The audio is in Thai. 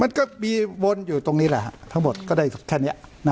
มันก็มีวนอยู่ตรงนี้แหละทั้งหมดก็ได้แค่นี้